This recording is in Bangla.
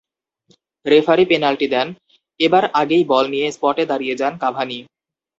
রেফারি পেনাল্টি দেন, এবার আগেই বল নিয়ে স্পটে দাঁড়িয়ে যান কাভানি।